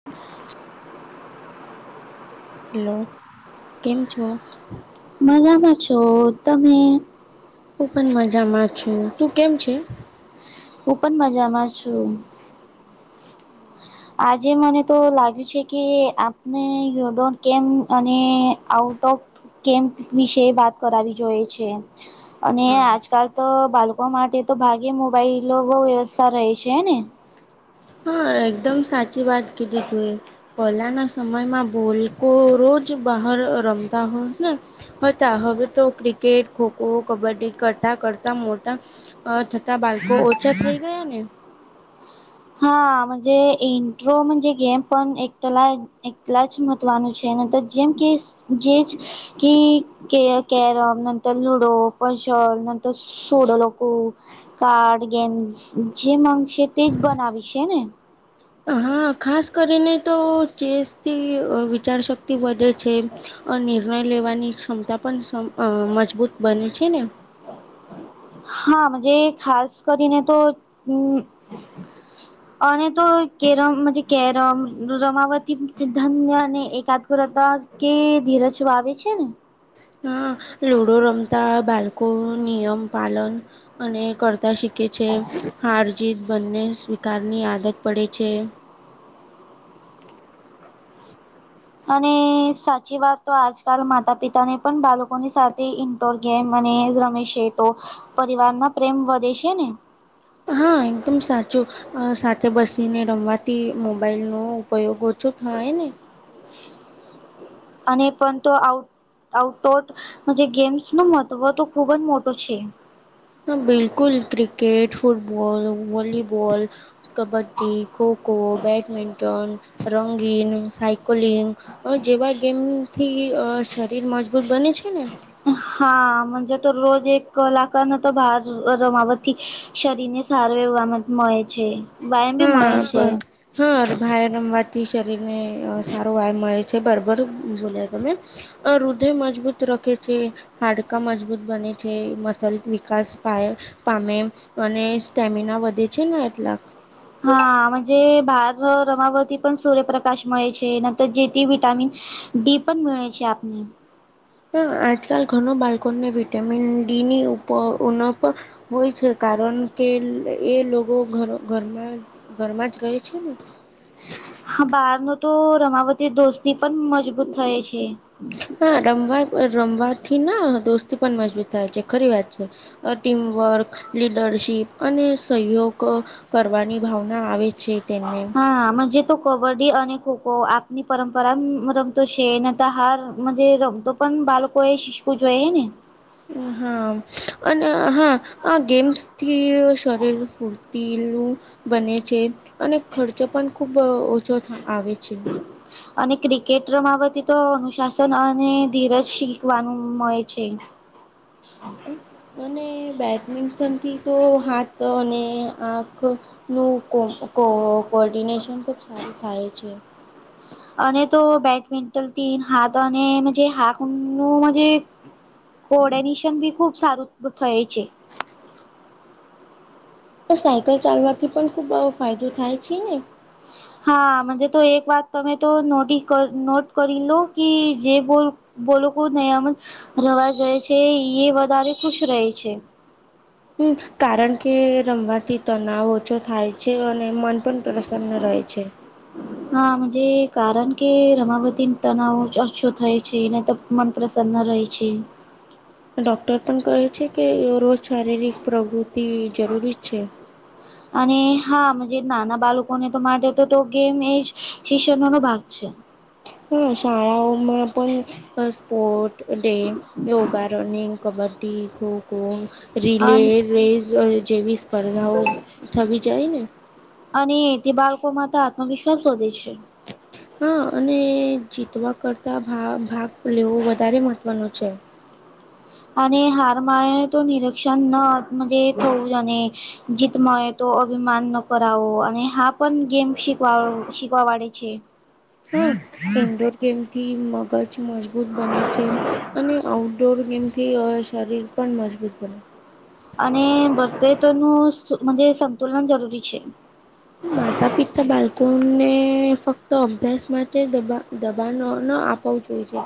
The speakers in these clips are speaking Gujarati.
[inaudible] હેલો, કેમ છો? મજામાં છો, તમે? હુ પણ મજામાં છુ, તું કેમ છે? હું પણ મજામાં છું. [inaudible] આજે મનેતો લાગ્યું છે કે, આપને યુ ડોન્ટ કેમ અને આઉટ ઓફ કેમ્પ વિશે વાત કરાવી જોએ છે. અને હા આજકાલ તો, બાળકો માટે તો ભાગ્ય મોબાઈલ બહુ વ્યવસ્થ રહે છે હે ને. હા! એકદમ સાચી વાત કધી તુંએ. પહેલાના સમયમાં બોલકો રોજ બહાર ર રમતા હોત ને. હતા. હવે તો ક્રિકેટ, ખોખો, કબડ્ડી કરતા કરતા મોટા અ થતા બાળકો ઓછા થઈ ગયા ને? હા મન્જે ઇન્ન્ટ્રોજ મન્જે ગેમ પણ એકટલા. એટલાજ મહત્વાનું છે. નહીતો જેમ કે જે જ. કી કે કેરમ નંતર લુડો પસોલ નંતર. સોડોલોકો, કાર્ડ ગેમ જે માંગશે તે જ બનાવી શે ને? હા ખાસ કરીને તો ચેસથી વિચાર શક થી વધે છે. અ નિર્ણય લેવાની ક્ષમતા પણ સમ અ મજબૂત બને છે ને? હા મન્જે ખાસ કરીને તો હમ્મ અને તો કેરમ કેરમ રમાવતી ધન્ય અને એકાદગ્રતા. કે ધીરજ વાવે છે ને? હા લુડો રમતા બાળકો નિયમ પાલન. અને કરતા શીખે છે. હાર જીત બંને સ્વીકારની આદત પડે છે. અને સાચી વાત તો, આજકાલ માતા પિતા ને પણ બાળકોની સાથે ઇન તો ગેમને રમેશે તો પરિવાર મા પ્રેમ વધે છે ને. હા! એકદમ સાચું. અ સાથે બસીને રમવાથી મોબાઈલ નો ઉપયોગ ઓછો થાય ને. અને પણ તો આઉટ. આઉટડોર જે ગેમ્સ ન મહત્વ તો ખુબ જ મોટો છે. હા! બિલકુલ. Cricket, football, volleyball. Kabaddi, kho kho, badminton, રંગીન સા કોલિંગ જેવા ગેમથી શરીર મજબૂત બને છે ને. હાજે તો રોજ એક લખને તો બાર રમાવથી. શરીર ને સારો એમત મળે છે. વ્યાયામ બી મળે હા છે. પણ હ ભાઈ. રમવાથી શરીર ને સારો વાય મળે છે. બરાબર બોલ્યા તમે. અ હૃદય મજબૂત રખે છે. હાડકા મજબૂત બને છે. મસલ વિકાસ પાય. પામે અને સ્ટેમિના વધે છે ને એટલાક. હાજ ભાર રમાવતી પણ સૂર્યપ્રકાશ મળે છે. નંતર જે તે વિટામિન. ડી પણ મેળ છે આપને. હ આજકાલ ઘણ બાળકોને વિટામિન ડી ની ઉપપ. હોય છે. કારણ કે એ લોકો ઘરમાં ઘરમાં જ રહે છે ને. હા બાર ન તો રમાવતી દોસ્તી પણ મજબૂત થાય છે. હા રમવા રમવાથી ના દોસ્તી પણ મજબૂત થાય છે. ખરી વાત છે. ટીમવર્ક લીડરશીપ અને સહયોગ કરવાની ભાવના આવે છે તેમને હા મનજે તો કબડ્ડી અને ખોખો આપની પરંપરા રમતો છે નને ત હાર રમતો પણ બાળકો એ શીખવું જોઈએ ને હા અને હા આ ગેમ્સ થી શરીર ફૂરું સીલનું બને છે અને ખર્ચ પણ ખૂબ ઓછો આવે છે અને ક્રિકેટ રમાવતી તો અનુશાસન અને ધીરજ શીખવાનું મળે છે અને બેડમિન્ટનથી તો હાથ અને આંખ નું કો કો કોર્ડિનેશન ખુબ સારું થાય છે અને તો બેડમિન્ટન થી હાથ અને જે હાક નું કોર્ડનેશન બી ખૂબ સારું થય છે સાયકલ ચાલવાથી પણ ખુબ આવો ફાયદો થાય છે ને હાજ તો એક વાત તમે તો નોટી નોટ કરી લો કે જે બો બોલો નયમ રવા જાય છે ઈએ વધારે ખુશ રહે છે હમ કારણ કે રમવાથી તનાવ ઓછો થાય છે અને મન પણ પ્રસન્ન રહે છે હા જે કારણ કે રમાવતી તણાવ ઓછો થાય છેને મન પ્રસન્ન રહે છે ડોક્ટર પણ કહે છે કે રોજ શારીરિક પ્રવૃતિ જરૂરી છે હમ અને હા જે નાના બાળકોને તો માટે તો તો ગેમ એજ શિક્ષણ નો ભાગ છે હા શાળાઓમાં પણ અ sport day yoga running kabaddi kho relay અન રેસ જેવી સ્પર્ધાઓ થવી જાય ને અને તે બાળકો માં તો આત્મવિશ્વાસ વધે છે હા અને જીતવા કરતા ભાગ લેવો વધારે મહત્વનો છે અને હારમાળ તો નિરક્ષણ નજ થું જાને જીત મળય તો અભિમાન ન કરાવો અને હા પણ ગેમ શીવા શીખવા વાડે છે [inaudible] હા, ઇન્ડોર ગેમથી મગજ મજબૂત બને છે. અને આઉટડોર ગેમથી અહ શરીર પણ મજબૂત બને. અને બધે તો નું મજે સંતુલન જરૂરી છે. એ માતા પિતા બાલકોને ફક્ત અભ્યાસ માટે દબા દબાણ નો ના અપાઉ પૂજા.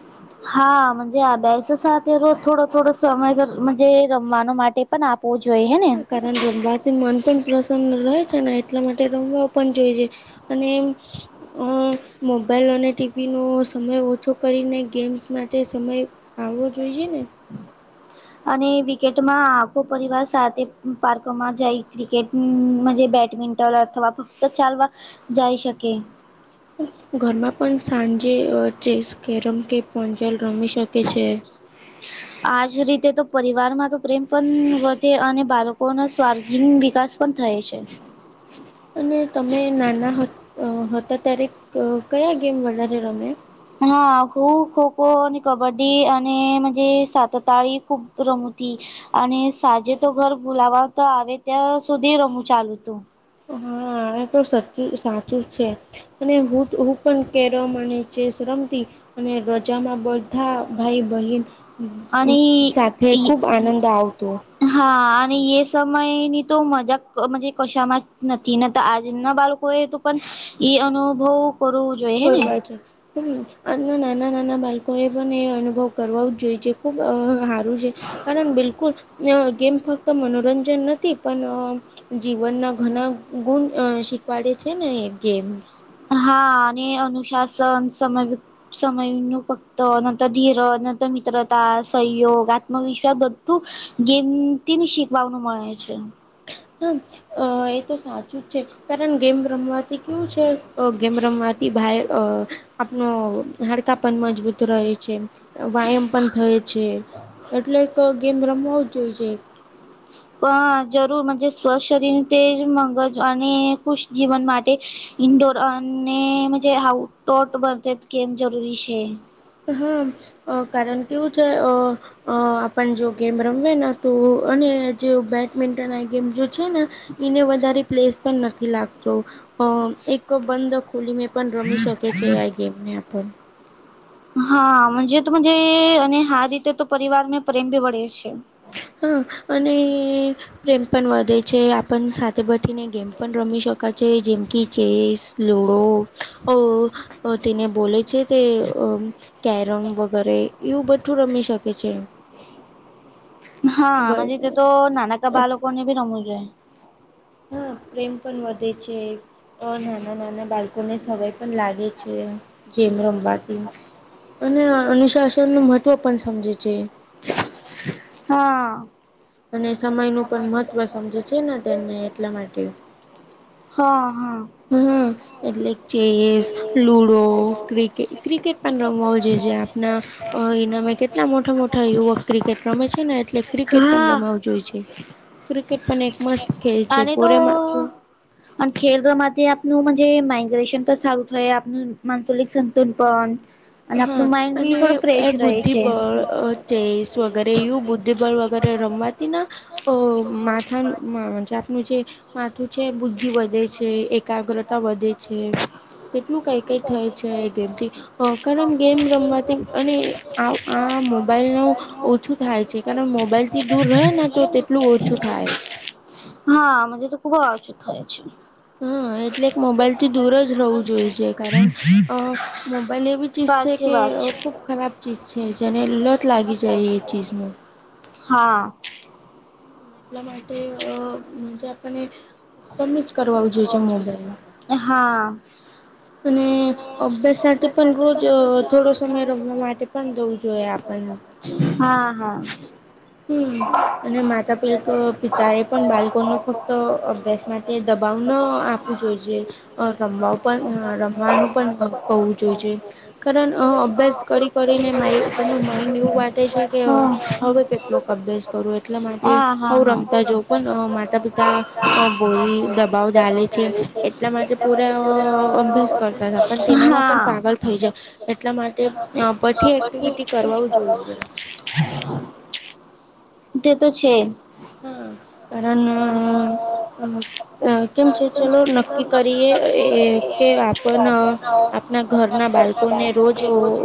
[inaudible] હા, મજે આ બેસ સાથે રો થોડો થોડો સમય જે રમવાનો માટે પણ આપ ઓ જોઈ હે ને. એન રમવાથી મન પણ પ્રસન્ન રહે છે ને એટલા માટે રમવા પણ જોઈ છે. અન એમ અહ મોબાઈલ અને ટી વી નો સમય ઓછો કરીને ગેમ્સ માટે સમય આવો જોઈ જે ને. અને વિકેટમાં આખો પરિવાર સાથે પાર્ક માં જાય ક્રિકેટ હું મનજે બેડમિંન્ટન અથવા ફક્ત ચાલવા જાએ શકે. ઘરમાં પણ સાંજે અહ ચેસ, કેરમ કે પંજાલ રમી શકે છે. આજ રીતે તો પરિવાર માં તો પ્રેમ પણ વધે અને બાળકોનો સ્વાર્ગીન વિકાસ પણ થાય છે. અને તમે નાના હ અહ હતા ત્યારે ક કયા ગેમ વધારે રમે? હા હું ખો ખો અને કબડ્ડી અને મનજે સાતતાઈ ખૂબ રમતી. અને સાંજે તો ઘર બુલાવા તો આવે ત્યાં સુધી રમું ચાલુ તું. હા, એ તો સચ્ચી સાચું છે. અને હું તો હું પણ કેરમ અને ચેસ રમતી અને રજામાં બધા ભાઈ બહેન અને સાથે ખુબ ઈ આનંદ આવતો. હા, અને યે સમય ની તો મજાક મનજે કશામાં જ નથી ન આજના બાળક હોય તો પણ ઈ અનુભવ કરું કરવાય છે. હમ્મ, આજના નાના નાના બાળકો એ પણ એ અનુભવ કરવા જ જોઈ છે ખુબ અહ હારું છે. કારણ બિલકુલ ગેમ ફક્ત મનોરંજન નથી પણ જીવનના ઘણા ગુણ અહ શીખવાડે છે ને ગેમ હા અને અનુશાસન સમય સમયનું ફક્ત ન તો ધીરજ ન તો મિત્રતા, સંયોગ આત્મવિશ્વાસ બધું ગેમથી શીખવાનું મળે છે. હમ્મ, અહ એ તો સાચું જ છે. કારણ ગેમ રમવાથી કેવું છે, ગેમ રમવાથી [unintelligible] અહ આપનો હડકા પન મજબૂત રહેે છે. વયામ પણ થાય છે, એટલે એક ગેમ રમવુજ જોઈ છે. પણ જરૂર સ્વચસ્થ શરીર તે જ મંગજ અને ખુશ જીવન માટે ઇન્ડોર અને જે આઉટડોર બધ ગેમ જરૂરી છે. હા, કારણ કેવું છે, અહ અહ આપણ જો ગેમ રમવી તો અને જે બેડમિન્ટન આ ગેમ જે છે ને વધારે પ્લેસ પણ નથી લાગતો, એક બંધ ખોલીને પણ રમી શકે છે, આ ગેમને આપણ હાજ તોજ અને હ રીતે તો પરિવાર મે પ્રેમ ભી વળે છે. હા અને પ્રેમ પણ વધે છે આપણ સાથે બેઠીને ગેમ પણ રમી શકે છે જેમકી ચેસ લુડો અહ તેને બોલે છે તે અહ કેરમ વગેરે એવું બધું રમી શકે છે. બ હા, તે તો નાનકા બાળકો ને ભી રમવું જોઈએ. હા, પ્રેમ પણ વધે છે. અહ નાના નાના બાળકોને [unintelligible] પણ લાગે છે, ગેમ રમવાથી અને અનુશાસનનું મહત્વ પણ સમજે છે. હા. અને સમયનું પણ મહત્વ સમજે છે ને તેમને એટલા માટે હા હા. હા એટલે ચેસ લુડો ક્રિકેટ ક્રિકેટ પણ રમવા હો જો જે આપણા એનામે કે એટલા મોટા મોટા યુવક ક્રિકેટ રમે છે ને એટલે ક્રિકેટ પણ હા. રમાવું જોઈ છે. ક્રિકેટ પણ એક મસ્ત ખેલ છે [unintelligible] અને ખેડવા માટે આપનું માઇગ્રેશન તો ચાલુ થાય આપ માનસલિક સંતુલ પણ અને હા આપનું માઇન્ડ બી અને થોડું એ ફ્રેશ રહે છે બુદ્ધિબળ ચેસ વગેરે એ બુદ્ધિબળ વગેરે રમવાતી અ માથાનુંજ આપનું જે માથું છે બુદ્ધિ વધે છે એકાગ્રતા વધે છે. કેટલું કઈ કઈ થાય છે જેમથી ગેમ રમવાથી અને આ મોબાઈલ ન ઓછું થાય છે. કારણ મોબાઈલ થી દૂર રહે ને તો તેટલું ઓછું થાય. હા અજ તો ખુબ અયોચત [inaudible] છે. હા એટલે એક મોબાઈલ થી દૂર જ રહેવું જોઈએ છે કારણ અ મોબાઈલ એવી ચીઝ છે સાચી કે વાત છે ખૂબ ખરાબ ચીજ છે જેને લત લાગી જાય એ ચીઝનું હા એટલા માટે અ જ આપને કમે જ કરવુ જોઈ છે મોબાઈલ હા અને અભ્યાસ પાપા સાથે રોજ પણ મુ થોડો જાઉં સમય વધારે રમવા વરસાદ માટે પણ દવું જોઈએ આપણને આવે હા હા હમ્મ અને હા માતા પિલ પિતા એ પણ બાળકો નો ફક્ત અભ્યાસ માટે દબાવ ન આપવું જોઈએ અ રમવા પણ રમવાનું પણ કહું જોઈ જોઈ કારણ અભ્યાસ કરી કરીને મા તેનું માઇન્ડ એવું વાટે છે કે હવે લોક અભ્યાસ કરો એટલા માટે હઓ હા હા. રમતા જઉં પણ માતા પિતા અ બોલી દબાવ ડાલે છે એટલા માટે પૂરા અભ્યાસ કરતા પણ તેનામાં પણ હા પાગલ થઈ જાય એટલા માટે બઠી એક્ટિવિટી કરવા જોઈ છે [inaudible] તે તો છે હા. કારણ કેમ છે ચલો નક્કી કરીએ કે પણ આપણા ઘરના બાળકોને રોજ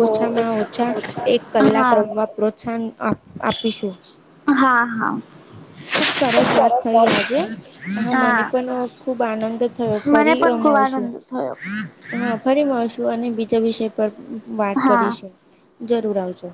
ઓછામાં ઓછા એક કલાક હા. રમવા પ્રોત્સાહન આપ આપીશું હા હા ખૂબ સરસ વાત થઈ આજે હા મને પણ ખુબ આનંદ થયો મને ફરી પણ ખુબ મળશું આનંદ થયો હા ફરી મળશું અને બીજા વિષય પર વાત હા કરીશું જરૂર આવજો